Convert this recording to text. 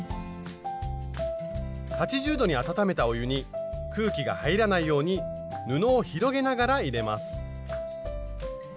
８０度に温めたお湯に空気が入らないように布を広げながら入れます。